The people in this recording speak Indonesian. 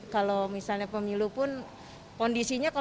kalau misalnya pemilu pun kondisinya